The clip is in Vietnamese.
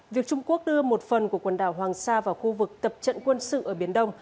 việc trung quốc đưa một phần của quần đảo hoàng sa vào khu vực tập trận quân sự ở biển đông